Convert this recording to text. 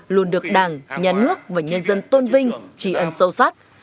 luôn được đảng nhà nước và nhân dân tôn vinh trí ân sâu sắc